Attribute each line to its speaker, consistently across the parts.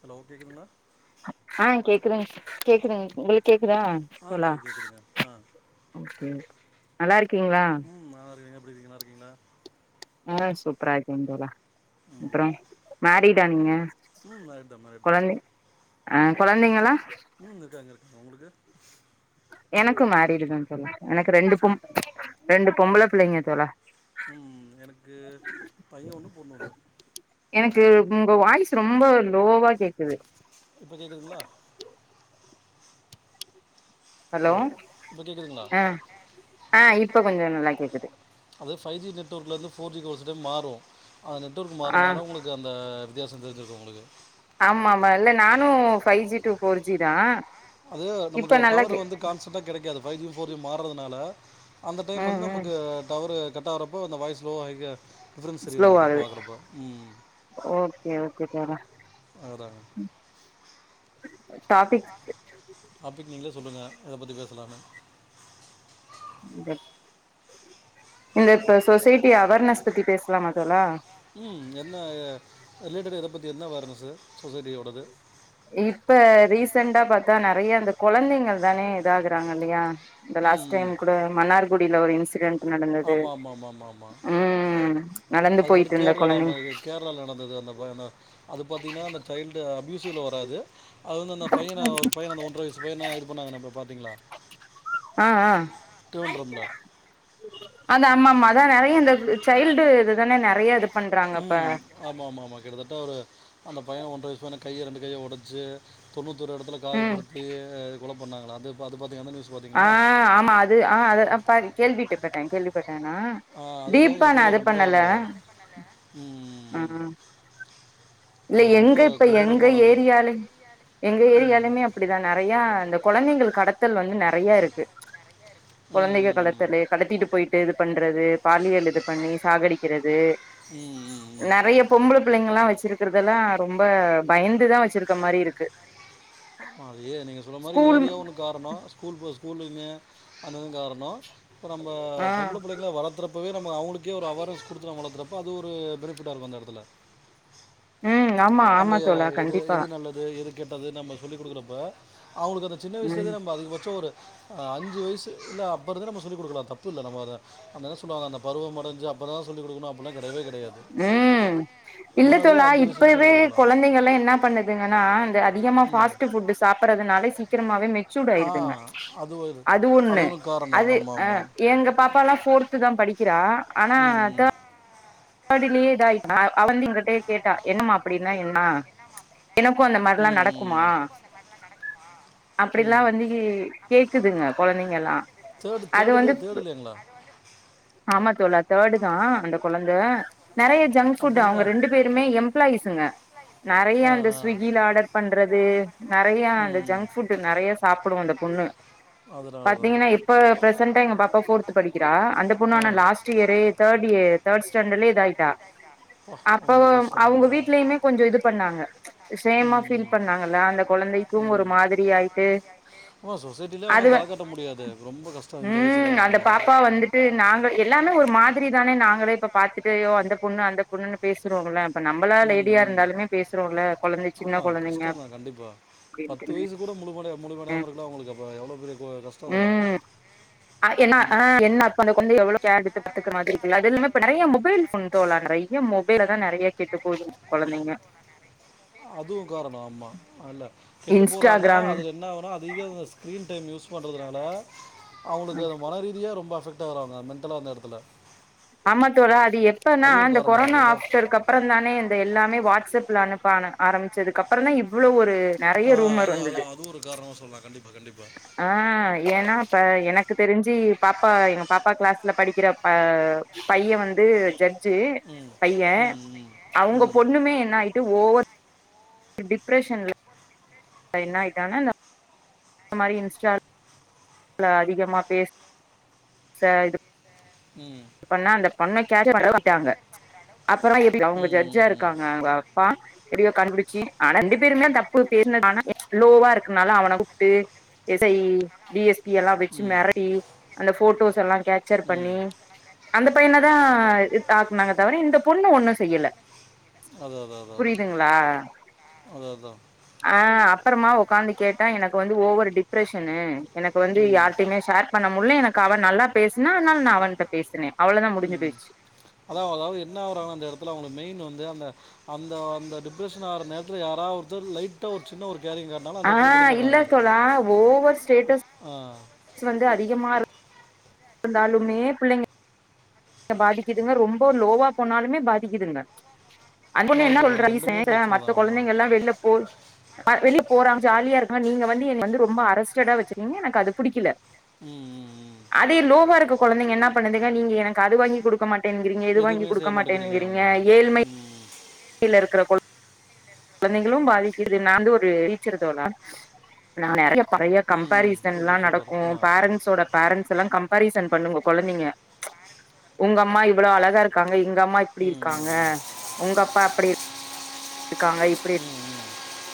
Speaker 1: Hello கேக்குதுங்ளா
Speaker 2: ஆஹ் கேக்குறேன் கேக்குறீங்க உங்களுக்கு கேக்
Speaker 1: ஆ
Speaker 2: தோழா
Speaker 1: கேட்குது கேட்குதுங்க ஆ
Speaker 2: ஓகே நல்லாருக்கீங்களா
Speaker 1: ம் நல்லா இருக்கீங்க எப்படி இருக்கீங்க நல்லா இருக்கீங்களா
Speaker 2: ஆஹ் சூப்பரா இருக்கேன் தோழா
Speaker 1: ம்
Speaker 2: அப்புறம் மேரிடா நீங்க கொழந்தை
Speaker 1: [unintelligible]
Speaker 2: ஆ குழந்தைங்களா
Speaker 1: உம் இருக்காங்க இருக்காங்க உங்களுக்கு
Speaker 2: எனக்கு மேரீடு தான் தோழா எனக்கு ரெண்டு பொம் ரெண்டு
Speaker 1: உம்
Speaker 2: பொம்பள பிள்ளைங்க தோழா
Speaker 1: உம் எனக்கு பையன் ஒண்ணும் பொண்ணு ஒன்ணு
Speaker 2: எனக்கு உங்க வாய்ஸ் ரொம்ப லோவா கேக்குது
Speaker 1: இப்ப கேக்குதுங்ளா
Speaker 2: ஹலோ
Speaker 1: இப்போ கேட்குதுங்களா
Speaker 2: ஆஹ் ஆஹ் இப்ப கொஞ்சம் நல்லா கேக்குது
Speaker 1: அது ஃபைவ் ஜி நெட்ஒர்க்லேருந்து ஃபோர் ஜிக்கு ஒருசிட்டே மாறும் அந்த நெட்ஒர்க்
Speaker 2: ஆ
Speaker 1: மாறனாலும் உங்களுக்கு அந்த வித்தியாசம் தெரிஞ்சிருக்கு உங்களுக்கு
Speaker 2: ஆமா ஆமா இல்ல நானும் five G two four G தான்
Speaker 1: அது நமக்கு டவர் வந்து கான்சன்டா கெடைக்காது பைவ் ஜி ஃபோர் ஜி மாறுறதுனால அந்த டைம்
Speaker 2: ம்
Speaker 1: வந்து
Speaker 2: ம்
Speaker 1: நமக்கு டவரு கட்டாகுறப்போ அந்த வாய்ஸ் லோவாக ஹை டிஃப்ரென்ஸ் தெரியும்
Speaker 2: ஸ்லோ
Speaker 1: நமக்கு
Speaker 2: ஆகுது
Speaker 1: பார்க்குறப்ப ம்
Speaker 2: ஓகே ஓகே த
Speaker 1: அதாங்க டாபிக் நீங்களே சொல்லுங்க எத பத்தி பேசலானு
Speaker 2: இந்த இப்ப சொசைட்டி அவேர்னஸ் பத்தி பேசலாமா தோழா
Speaker 1: ம் என்ன ரிலேட்டடா இத பத்தி என்ன அவார்னெஸ் சொசைட்டியோடது
Speaker 2: இப்ப ரீசெண்டா பார்த்தா நெறைய அந்த கொழந்தைங்கள் தானே இதாங்கறாங்க இல்லையா இந்த லாஸ் டைம்
Speaker 1: ம்
Speaker 2: ல கூட மன்னார் குடியில ஒரு இன்சி டன்ட்
Speaker 1: ஆமாம் ஆமாம் ஆமாம் ஆமாம்
Speaker 2: ம் நடந்து
Speaker 1: அதுக்கு மாரி
Speaker 2: போயிட்டு இருந்த கொழந்தைங்க
Speaker 1: கேரளாவில நடந்தது அந்த அது பார்த்தீங்கன்னா அந்த சைல்டு அப்யூசிவில் வராது அது வந்து அந்த பையன ஒரு பையன் அந்த ஒன்றரை வயசு பைய இது பண்ணாங்க பார்த்தீங்களா
Speaker 2: ஆஹ் ஆஹ்
Speaker 1: திருவன்றமில்
Speaker 2: அதான் ஆமாமா அதான் நெறைய இந்த சைல்டு இதுதானே நெறைய பண்றாங்க இப்ப
Speaker 1: உம் ஆமா ஆமா ஆமா கிட்டத்தட்ட ஒரு அந்த பையன் ஒன்ற வயசு தானே பையன் கையை ரெண்டு கையை ஒடச்சு தொண்ணூத்தி ஒரு இடத்துல
Speaker 2: ம்
Speaker 1: காயப்படுத்தி கொல பண்ணாங்கள அது பாத்து பாத்து என்ன
Speaker 2: ஆஹ் ஆமா அது ஆஹ் அத கேள்விட்டுப்பங்க கேள்விபட்டேன்
Speaker 1: ஆ, அதுதான்
Speaker 2: டீபா
Speaker 1: இருக்கிற
Speaker 2: நான் அது
Speaker 1: ரொம்ப
Speaker 2: பண்ணல
Speaker 1: ம்,
Speaker 2: உம் இல்ல
Speaker 1: அது ரொம்ப
Speaker 2: எங்க இப்ப எங்க
Speaker 1: கொடூரமானது
Speaker 2: ஏரியாலய எங்க ஏரியாலயுமே அப்படிதான் நெறைய இந்த குழந்தைகள் கடத்தல் வந்து நெறைய இருக்கு குழந்தைகள்
Speaker 1: ம்
Speaker 2: கடத்தல் கடத்திட்டு போயிட்டு இது பண்றது பாலியல் இது பண்ணி சாகடிக்கிறது
Speaker 1: ம் ம் ம்
Speaker 2: நெறைய பொம்பள புள்ளைங்கல்லாம் வச்சிருக்கு இருக்கறதெல்லாம் ரொம்ப பயந்துதான் வச்சிருக்க மாரி இருக்கு
Speaker 1: ஆ நீங்க சொல்ற மாரி
Speaker 2: ஸ்கூல்
Speaker 1: ஏரியா ஒன்னு காரணம் ஸ்கூல் பஸ் ஸ்கூலுங்க அங்க இருந்து வரனும் இப்ப நம்ப
Speaker 2: ஆ
Speaker 1: பொம்பள புள்ளங்கள வளத்துறப்பவே நம்ப அவங்களுக்கே ஒரு அவேர்னஸ் கொடுத்து நம் வளர்த்துறப்ப அது ஒரு பெனிஃபிட்டாக இருக்கும் அந்த இடத்துல
Speaker 2: ம் ஆமா ஆமா
Speaker 1: நம
Speaker 2: தோழா
Speaker 1: எது
Speaker 2: கண்டிப்பா
Speaker 1: எது நல்லது எது கேட்டது நம்ம சொல்லி் குடுக்குறப்ப அவங்களுக்கு அந்த சின்ன
Speaker 2: ம்
Speaker 1: வயசுலருந்து நம்பஅதிகபட்சம் ஒரு அஞ்சு வயசு இல்ல அப்பறம் தான் நம்ப சொல்லி குடுக்கனும் தப்புல்ல நம்ம என்ன சொல்லுவாங்க பருவடைஞ்சு அப்றம் தான் சொல்லி குடுக்கனும்
Speaker 2: உம் இல்ல
Speaker 1: முன்னாடியே
Speaker 2: தோழா
Speaker 1: அஞ்சு வயசுலேருந்து
Speaker 2: இப்பவே
Speaker 1: சொல்லிக் கொடுக்கலாம்
Speaker 2: கொழந்தங்கலாம் என்ன பண்ணுதுங்கனா அந்த அதிகமா ஃபாஸ்டு ஃபுட் சாப்புறதுனாலே சீக்கிரமாவே மெச்சூடூ ஆயிருதுங்க
Speaker 1: ஆ அது ஒரு
Speaker 2: அது ஒண்ணு
Speaker 1: ஒரு காரணம்
Speaker 2: அது
Speaker 1: ஆமாம்
Speaker 2: அஹ்
Speaker 1: ஆமாம்
Speaker 2: எங்க பாப்பாலாம் ஃபோர்த்து தான் படிக்கிறா ஆனா
Speaker 1: ம் ம்
Speaker 2: பதிலையே இத ஆயிட்ட அவ வந்து எங்கள்டே கேட்ட என்னம்மா அப்டினா என்ன எனக்கும் அந்த மாதிரிலாம்
Speaker 1: ம் ம்
Speaker 2: நடக்குமா
Speaker 1: ம்
Speaker 2: அப்படிலாம் வந்து கேக்குதுங்க குழந்தைங்க எல்லாம்
Speaker 1: தேடு
Speaker 2: அது வந்து
Speaker 1: தேடலையே தேடலைங்களா
Speaker 2: ஆமா தோழா வர தேர்டு தான் அந்த குழ நறய ஜங்க்
Speaker 1: அப்போ
Speaker 2: ஃபுட்
Speaker 1: வந்து
Speaker 2: அவங்க
Speaker 1: ஜங்க்
Speaker 2: ரெண்டு பேருமே எம்ப்ளாய்ஸ்ங்க நெறைய அந்த
Speaker 1: ஆ ஆ
Speaker 2: ஸ்விக்கில ஆர்டர் பண்றது நெறய ஜங்க் ஃபுட் நெறய சாப்புடும் அந்த பொண்ணு
Speaker 1: பொண்ணு. அதனால தான்
Speaker 2: பாத்தீங்கன்னா இப்ப ப்ரசெண்டா எங்க பாப்பா போர்த் படிக்கிறா
Speaker 1: ஆ.
Speaker 2: அந்தபொண்ணே லாஸ்ட் இயரேதேர்ட் இ தேர்ட் ஸ்டாண்டர்ட்ல இதாயிட்டா
Speaker 1: அப்பா,
Speaker 2: அப்ப
Speaker 1: ரொம்ப கஷ்டம்தான்
Speaker 2: அவங்க வீடலயுமே கொஞ்சம் இது பண்ணாங்க சேமா
Speaker 1: ம் ம்.
Speaker 2: பீல் பண்ணாங்கல்ல அந்த குழந்தைக்கும் ஒரு மாதிரி ஆயிட்டு
Speaker 1: ஆமா சொசைட்டிலே
Speaker 2: அது
Speaker 1: அவனால் தலை காட்ட முடியாது ரொம்ப கஷ்டம் இந்த
Speaker 2: ம்
Speaker 1: வயசுலலாம்
Speaker 2: அந்த
Speaker 1: ஆமாம்
Speaker 2: பாப்பா வந்துட்டு நாங்க எல்லாமே ஒரு மாதிரி தானே நாங்களே இப்ப பாத்துட்டு ஐயோ அந்த பொண்ணு அந்த பொண்ணுன்னு பேசுறோம்ல இப்ப நம்மளா
Speaker 1: உம்
Speaker 2: லேடியா
Speaker 1: உம்
Speaker 2: இருந்தாலுமே பேசுறோம்ல கொழந்தை சின்ன
Speaker 1: ஆமா
Speaker 2: கொழந்தைங்க
Speaker 1: கஷ்டம் தான் கண்டிப்பா பத்து
Speaker 2: அப்டின்ட்டுன்னு
Speaker 1: வயசு கூட முழுமட முழுமடையா இருந்தா அவங்களுக்கு அப்போ எவ்ளோ பெரிய கஷ்டம் வரும்
Speaker 2: ம்
Speaker 1: ம்
Speaker 2: கேரெடுத்து பாத்துக்க மாதிரி அது இல்லாம இப்ப நெறைய மொபைல் போன் தோழா நெறைய மொபைல தான் நெறைய கெட்டு போவுது கொழந்தைங்க
Speaker 1: அதுவு‌ காரணம் ஆமா இல்ல கெட்டு போறாங்க
Speaker 2: இன்ஸ்டாகிராம்
Speaker 1: அதுல என்ன ஆனா நீங்க இந்த ஸ்க்ரீன் டைம் யூஸ் பண்றதுனால
Speaker 2: ஆ
Speaker 1: அவங்களுக்கு அது மனரீதியா ரொம்ப அபெக்ட் வவங்க மென்டல அந்த இடத்துல
Speaker 2: நாம்மால்டா ஒரு அது எப்பனா
Speaker 1: அதுவும் ஒரு
Speaker 2: இந்த
Speaker 1: காரணம்
Speaker 2: கொரோனா
Speaker 1: இருக்குது அதான்
Speaker 2: ஆப்டருக்கு அப்புறம் தானே இந்த எல்லாமே வாட்ஸ்அப்ல அனுப்ப ஆரம்பிச்சதுக்கு அப்புறம் தான் இவ்ளோஒரு
Speaker 1: ஆரம்பிச்சு
Speaker 2: நெறைய
Speaker 1: ஆ,
Speaker 2: ரூமர்
Speaker 1: அது அது
Speaker 2: வந்தது
Speaker 1: அதுவும் ஒரு காரணமாக சொல்லலாம் கண்டிப்பாக கண்டிப்பாக
Speaker 2: ஆஹ் ஏனா இப்ப எனக்கு தெரிஞ்சு பாப்பா எங்க பாப்பா கிளாஸ்ல படிக்கிற பையன் வந்து ஜட ஜர்ஜ்ஜி
Speaker 1: ம்
Speaker 2: பையன்
Speaker 1: ம் ம்
Speaker 2: அவங்க
Speaker 1: ம்
Speaker 2: பொண்ணுமே என்ன ஆயிட்டு ஒவர் டிப்ரெஷன்ல என்ன ஆயிட்டானா இந்த இந்த மாரி இன்ஸ்டால அதிகமா பேச ச இது
Speaker 1: ம்
Speaker 2: அந்த பொண்ண டார்ச்சர் பண்ற அளவுக்கு ஆயிட்டாங்க அப்புறோ அவங்க ஜர்ஜா
Speaker 1: ம்
Speaker 2: இருக்காங்க அவங்க அப்பா எப்டியோ கண்டுபுடிச்சி ஆனா ரெண்டு பேருமே தப்பு பேஸ்னது அவ லோவா இருக்குனால அவன கூப்ட்டு S I D S P எல்லா
Speaker 1: ம்
Speaker 2: வெச்சி
Speaker 1: ம்
Speaker 2: மெரட்டி அந்த போட்டோஸ் எல்லா கேச்சர்
Speaker 1: ம்
Speaker 2: பண்ணி அந்த பையன தா இது ஆக்குனாங்க தவிர இந்த பொண்ணு ஒண்ணு செய்யல புரியுதுங்களா
Speaker 1: அத அதான்
Speaker 2: அ அப்றமா ஒக்காந்து கேட்ட எனக்கு வந்து ஓவர் டிப்ரெஷனு எனக்கு வந்து
Speaker 1: ம்
Speaker 2: யாரிட்டையுமே ஷேர் பண்ண முட்ல எனக்கு அவ நல்லா பேசுனா அனால நா அவன்ட்ட பேசுனே அவ்ளோதா முடிஞ்சு
Speaker 1: ம்
Speaker 2: போயிச்சு
Speaker 1: அதா அதா என்னா ஆவுறானா அந்த எடத்துல அவுங்க மெயின் வந்து அந்த அந்த அந்த டிப்ரஷன் ஆவுற நேரத்துல யாரா ஒருத்தர் லைட்டா ஒரு சின்ன ஒரு கேரிங் காட்டினாலும் அந்த
Speaker 2: ஆ
Speaker 1: இடத்துல
Speaker 2: இல்ல
Speaker 1: விழுந்துடுறாங்க
Speaker 2: தோழா ஓவர் ஸ்டேட்டஸ்
Speaker 1: ஆ
Speaker 2: வந்து அதிகமா இரு இருந்தாலுமே பிள்ளைங்க பாதிக்குதுங்க ரொம்ப லோவா போனாலுமே பாதிக்கிதுங்க அதுன்ன என்ன சொல்ற
Speaker 1: பாதிக்கப்படுறாங்க ரெண்டுமே பிரச்சனை
Speaker 2: மத்த
Speaker 1: தான் ஆமாம்
Speaker 2: கொலைந்தைங்க எல்லா வெளில போ போறா ஜாலியா இருக்கா நீங்க வந்து என்னைய வந்து ரொம்ப அரஸ்டடா வெச்சிருக்கீங்க எனக்கு அது புடிக்கல
Speaker 1: ம் ம் ம்
Speaker 2: அதே லோவா இருக்க கொலைந்தைங்க என்ன பண்ணுதுங்க நீங்க எனக் அது வாங்கி கொடுக்க மாட் என்கிறீங்க இது வாங்கி
Speaker 1: எதுவுமே
Speaker 2: கொடுக்க
Speaker 1: செய்ய
Speaker 2: மாட்டேங்கிறீங்க
Speaker 1: ஆமாம் ம்
Speaker 2: ஏல்மைல இருக்கிற கொழ கொலைந்தைகளு பாதிக்குது நா வந்து ஒரு டீச்சர் தோழா நா நறைய நறைய
Speaker 1: ம் ம்.
Speaker 2: கம்ப்பாரீசன்ல்லா
Speaker 1: சூப்பர் சூப்பர்
Speaker 2: நடக்கு
Speaker 1: ஆ
Speaker 2: பேரண்ட்ஸோட பேரண்ட்ஸ் எல்லா கம்பாரீசன் பண்ணுங்கோ கொலைந்தைங்க உங்க அம்மா இவ்ளோ அழகா இருக்காங்க எங்க அம்மா இப்டி
Speaker 1: ம் ம்
Speaker 2: இருக்காங்க
Speaker 1: ம்
Speaker 2: உங்க அப்பா அப்படி இருக்காங்க இப்படி
Speaker 1: ம் ம்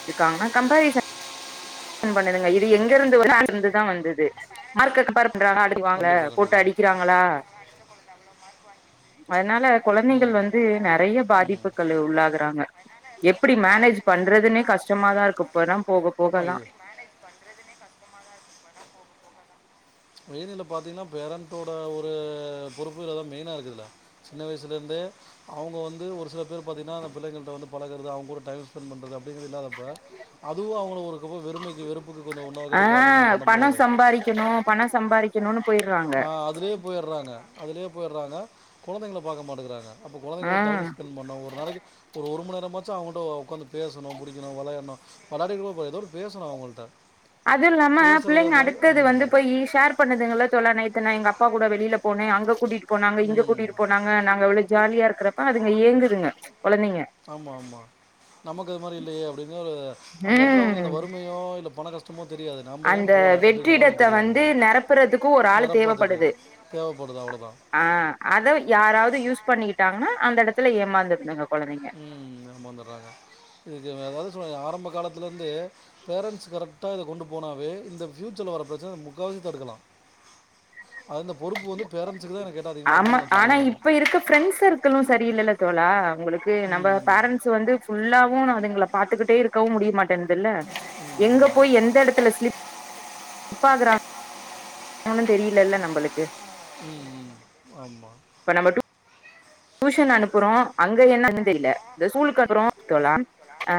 Speaker 2: இருக்காங்கா கம்ப்பாரீசன் பண்ணுதுங்க இது எங்க இருந்து வந்தது இருந்து தா வந்தது மார்க் பா
Speaker 1: கண்டிப்பாக
Speaker 2: போட்டு
Speaker 1: கண்டிப்பாக
Speaker 2: அடிக்குறாங்களா அதனால கொழந்தைகள் வந்து நெறைய
Speaker 1: ம்
Speaker 2: பாதிப்புகள் உள்ளாகுறாங்க எப்படி மேனேஜ் பண்றதுன்னே கஷ்டமா தா இருக்கு போக போக
Speaker 1: ஆமாம்
Speaker 2: தா
Speaker 1: இது மெய்ன் இதுல பாத்திங்கன்னா பேரண்ட்டோட ஒரு பொறுப்புல தா மெயினா இருக்கு இதுல சின்ன வயசுலேருந்தே அவுங்க வந்து ஒரு சில பேர் பாத்தீங்கனா அந்த பிள்ளைங்கள்ட்ட வந்து பழகுறது அவூங்க கூட டைம் ஸ்பெண்ட் பண்ணுறது அ இல்லாத அப்ப அதுவு அவுங்க ஒரு ரொம்ப வெறுமை வெறுப்புக்கு கொஞ்ஜோ
Speaker 2: ஆ
Speaker 1: உள்ளாகுற காரணமாக தா மூலமே ஆ
Speaker 2: சம்பாரிக்கனோனு போயிட்றாங்க
Speaker 1: போயிடுறாங்க அதுலயே போயிறாங்க குழந்தைங்கள பாக்க மாட்டேங்கிறாங்க அப்போ
Speaker 2: ஆ
Speaker 1: குழந்தைங்களோடு டைம் ஸ்பெண்ட் பண்ண ஒரு நாளைக்கு ஒரு ஒரு மணி நேர கொஞ்மாச்சோ அவுங்கிட்ட ஒக்காந்து பேசனு புடிக்கனும் வெளையாடனும் எதா ஒன்னு பேசனு அவுங்கள்ட்ட
Speaker 2: அது இல்லாம பிள்ளைங்க அடுத்தது வந்து போய் ஷேர் பண்ணுதுங்கள தோழர் நேத்து எங்க அப்பா கூட வெளியில போனே அங்க கூட்டிகிட்டு
Speaker 1: உம்
Speaker 2: ஜாலியா இருக்கிறப்ப அதுங்க ஏங்குதுங்க கொழந்தைங்க
Speaker 1: ஆமா ஆமா நமக்கு அது மாரி இல்லையே அப்படின்னு ஒரு அந்த இடத்துல அவுங்களுக்கு
Speaker 2: ம்
Speaker 1: அந்த வறுமையோ இல்ல பண கஷ் தெரியாது நம்ம ஏன்
Speaker 2: அந்த
Speaker 1: போகல அப்படிங்கறத
Speaker 2: வெற்றிடத்த
Speaker 1: அவளுக்கு தெரியும்
Speaker 2: வந்து
Speaker 1: அவங்களுக்கு
Speaker 2: நெரப்புறதுக்கு ஒரு ஆள்
Speaker 1: நிரப்பத்துக்கு தேவைப்படுது அவ்வளோதான்
Speaker 2: ஆஹ் அதை யாராவது யூஸ் பண்ணிக்கிட்டாங்கன்னா அந்த இடத்துல ஏமாந்துருந்தங்க
Speaker 1: உம் எமந்துடுறாங்க இதுக்கு ஏதாவது ஆரம்ப காலத்த இருந்து பேரன்ஸ் கரெக்டா கொண்டு போனவே இந்த பியூச்சர் லா வரபிரச்சனைய முக்கவாசி தடுக்கலாம் அது இந்த பொறுப்பு வந்து பேரண்ட்ஸுக்கு தான் எனக்கு கேட்டால் அதிகமாக
Speaker 2: ஆமா
Speaker 1: இருக்கும்னு நான்
Speaker 2: ஆனா
Speaker 1: சொல்லுவேன் நான்
Speaker 2: இப்ப இருக்க ஃப்ரெண்ட்ஸ் சர்க்கிளும் சரியில்ல்ல தோலா உங்களுக்கு நம்ம
Speaker 1: ம்
Speaker 2: பேரன்ஸ் வந்து புல்லாவும் அதுங்களை பாரத்துக்கிட்டே இருக்கவும் முடிய மாட்டேன்துல்ல எங்க
Speaker 1: மாட்டேங்குது
Speaker 2: போய் எந்த இடத்துல ஸ்ப் இன்ஸ்டாகிராமில் ஆம் தெரியலல்ல நம்மளுக்கு
Speaker 1: உம் உம் ஆமா
Speaker 2: நம்பம்பர் டு டிஷன் அனுப்புறோம் அங்க என்ன அந்தலூலுக்கு அப்புறோம்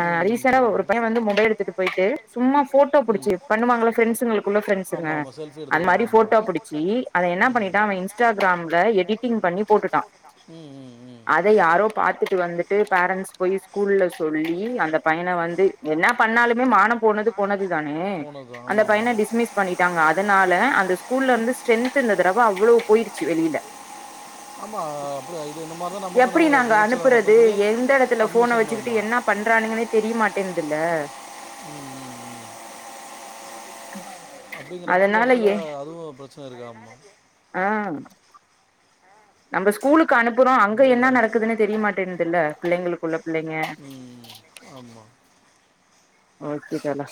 Speaker 1: ம் ம்
Speaker 2: ரீசண்டா
Speaker 1: சரிங்க
Speaker 2: ஒரு பையன் வந்து மொபைல் எடுத்துட்டு போயிட்டு சும்மா போட்டோ பிடிச்சு பண்ணுவாங்கள ப்ரெண்ட்ஸங்களுக்குள்ள ரெண்ட்ஸங்க
Speaker 1: ஆமாம் ஆமாம் செல்ஃபி
Speaker 2: அந்த
Speaker 1: எடுத்துக்கோங்க
Speaker 2: மாதிரி
Speaker 1: ஆமாம்
Speaker 2: போட்டோ பிடிச்சி அதது என்ன பண்ணிட்டா அவன் இன்ஸ்டாகிராம்ல எடி் எடிட்டிங் பண்ணி போட்டுட்டான்
Speaker 1: ம் ம் ம்
Speaker 2: அதை யாரோ பாா்த்தது மஹிந்தத்துட்டு வந்துட்டு பேரண்டட்ஸ் போய் ஸ்கூல்ல சொல்லி அந்த பையனை வந்து என்ன பண்ணாலுமே மானம் போனது போனது தானே
Speaker 1: போனது தான்.
Speaker 2: அந்த
Speaker 1: ஆமாம்
Speaker 2: பையனை
Speaker 1: ஆமாம்
Speaker 2: டிஸ்மிஸ் பண்ணிட்டாங்க அதனால அந்த ஸ்கூல்ல இருந்து ஸ்ட்ரென்த் இந்த தடவை அவ்வளவு போயிருச்சு வெளியில
Speaker 1: ஆமா
Speaker 2: எப்படி நாங்க அனுப்புறது
Speaker 1: சொல்லி
Speaker 2: எந்த இடத்துல போனை
Speaker 1: அட்மிஷன்
Speaker 2: வச்சுக்கிட்டு
Speaker 1: ஆமாம்
Speaker 2: என்ன பண்றானுங்கே தெரியமாட்டேன் இல்லால
Speaker 1: உம் உம் உம்
Speaker 2: ஹ
Speaker 1: அப்படிங்கறப்ப அந்த இடத்துல அதுவும் பிரச்சனை இருக்கா ஆம்மா
Speaker 2: ஆஹ் நம்ம ஸ்கூலுக்கு க்கு அனுப்புறோம் அங்க
Speaker 1: ஆகல
Speaker 2: என்ன நடக்குதுன்னு தெரியமாட்டேன்னுதுல்ல பிள்ளைங்களுக்குள்ள பிள்ளைங்க
Speaker 1: ம்
Speaker 2: ஓகே தோழா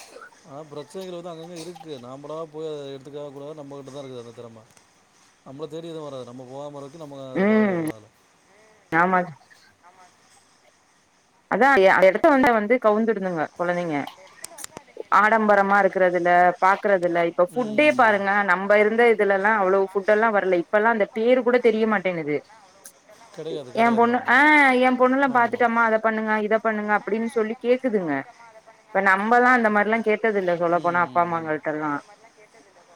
Speaker 1: ஆஹ் பிரச்சனைகள் வந்து அங்க இருக்கு நமள போய் அதை எடுத்துக்க கூடாது நம்மகிட்ட தான் இருக்குது அந்த திறமை நம்ள தேடி எதும் வராது நம போகாம இரு நமக்கு
Speaker 2: ம்
Speaker 1: பாதுகாப்பு
Speaker 2: ஆமா அதான் அந்த இடத்த வந்த வந்து கவுந்துடுந்தங்க குழந்தைங்க ஆடம்பரமா இருக்குறதுல பா பாருங்க நலப்பல்லாம்
Speaker 1: ம்
Speaker 2: ஃட்டூ
Speaker 1: ம்
Speaker 2: பாருங்க நம்ப பெரிய தெரியமாட்டேங்குது
Speaker 1: கிடையாது
Speaker 2: என்
Speaker 1: கிடையாது
Speaker 2: பொண்ணு
Speaker 1: ஆமாம்
Speaker 2: என் பொண்ணேல்லாம்
Speaker 1: ஆமாம்
Speaker 2: பாத்துட்டேமே அத பண்ணிட்டேமா பண்ணுங்க இத பண்ணுங்க அப்படின்னு சொல்லி கேக்குதுங்க இப்ப நம்மதான் அந்த மாதிரில்லாம் கேட்டது இல்ல சொல்ல
Speaker 1: ம்
Speaker 2: போனா அப்பா
Speaker 1: ம் ம்
Speaker 2: அம்மாங்களிட்ட எல்லாம்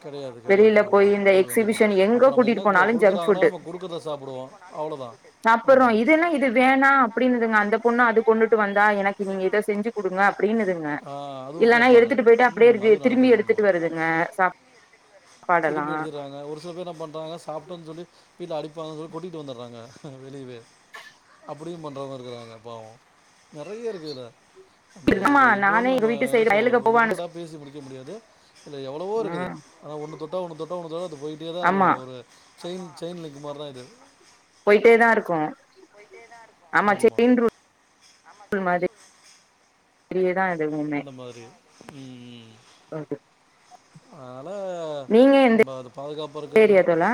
Speaker 1: கிடையாது கிடையாது ஆமா கண்டிப்பா கண்டிப்பா
Speaker 2: எக்ஸிபிஷன் எங்க
Speaker 1: அப்புறம்என்ன
Speaker 2: கூட்டிட்டு
Speaker 1: நம்ம என்ன
Speaker 2: போனாலு ஜங்க்
Speaker 1: குடுக்குறாங்கோ
Speaker 2: ஃபுட்டு
Speaker 1: நம்ம குடுக்கறத சாப்பிடுவோம் அவ்வளோதான்
Speaker 2: சாப்புட்றோ
Speaker 1: ஆமா
Speaker 2: பொண்ண அது கொண்டுட்டு வந்தா எனக்கு நீங்க ஏதோ செஞ்சு கொடுங்க அப்படின்னுதுங்க
Speaker 1: ஆ அதுவும்
Speaker 2: இல்லன்னா
Speaker 1: கேட்பாங்க
Speaker 2: எடுத்துட்டு போயிட்டு
Speaker 1: ம்
Speaker 2: அப்படியே
Speaker 1: அதுவும்
Speaker 2: திரும்பி
Speaker 1: நடக்குது
Speaker 2: எடுத்துட்டு
Speaker 1: ஆமாம்
Speaker 2: வருதுங்க சாப்பாடெல்லா
Speaker 1: திரும்பி எடுத்துறாங்க ஒரு சில பேர் என்ன பண்றாங்க சாப்பிட்டோன்னு சொல்லி வீட்டுல அடி இப்பதிகொட்டிட்டு வந்துறாங்க அ வெளியவே அப்படியும் பண்றவங்க இருக்கிறாங்க பாவம் நெறய இருக்கு இதுல நம்ம
Speaker 2: ஆமா
Speaker 1: இதல
Speaker 2: நானே
Speaker 1: எவ்ளவு
Speaker 2: எங்க
Speaker 1: நம்ம
Speaker 2: வீட்டு
Speaker 1: என்ன
Speaker 2: சைடு வயலுக்கு
Speaker 1: சொல்லவரது ஒரு
Speaker 2: போவானு
Speaker 1: லிமிடடா பேசி முடிக்க முடியாது இல்ல எவ்வளவோ இருக்குது
Speaker 2: ம்
Speaker 1: ஆன ஒன்னு தொட்ட ஒன்னு தொட் த [unintelligible] போயிட்டேதான்
Speaker 2: ஆமா
Speaker 1: இருக்கும்ல்ல ஒரு செயின் செயின்லிங்கு மாரிதான் இது
Speaker 2: போயிட்டே தா இருக்கு
Speaker 1: ஆமா
Speaker 2: பெரியேதான்
Speaker 1: அந்த மாதிரி உம்ம் அதனா
Speaker 2: நீங்க எந்த
Speaker 1: நமப அது பாதுகாப்பு இருக்கிறது
Speaker 2: ஏரியா தோழா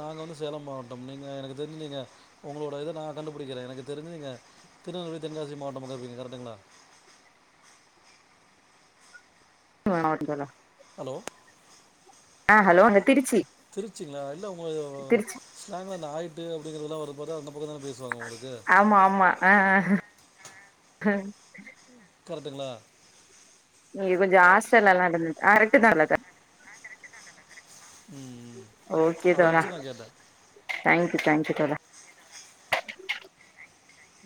Speaker 1: நாங்க வந்து சே சேலம் மாவட்டம் நீங்க எனக்கு தெரிஞ்சு உங்களோட இத நா கண்டுபிடிக்கிறேன் எனக்கு தெரிஞ்சு நீங்க திருநெல்வேலி தென்காசி மாவட்டம்க்கப்பீங்க கரெக்டுங்களா
Speaker 2: [inaudible] தோழா
Speaker 1: ஹலோ
Speaker 2: ஆ ஹலோ அ திருச்சு
Speaker 1: திருச்சிங்களா இல்ல ஒரு ஸ்லங்கெல்லா ஆயிட்டு அப்படிங்கிறதுதல்லாம்வரும்போது அந்த பக்கம் தானே பேசுவாங்க உங்களுக்கு
Speaker 2: ஆமா ஆமா ஆஹ் ஆஹ் அ
Speaker 1: கரட்டுங்களா
Speaker 2: நீங்க கொஞ்சம் ஹாஸ்டல்லா எல்லா நடந்துட்டு அறக்குதல்லதான்
Speaker 1: ம் ம்.
Speaker 2: ஓகே
Speaker 1: அதை
Speaker 2: தோழ
Speaker 1: வச்சு நான் கேட்டேன்
Speaker 2: தேங் யூ தேங்யூ டதா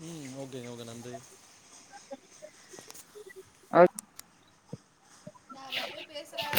Speaker 1: உம் ஓகே ஓகே நன்றி
Speaker 2: ஓக்
Speaker 1: யார் யார்டியோ பேசுறே